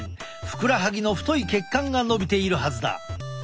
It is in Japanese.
ふくらはぎの太い血管がのびているはずだ。